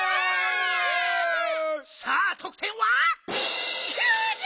さあとくてんは？